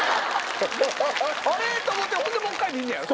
あれ？と思ってほんでもう一回見んねやろ。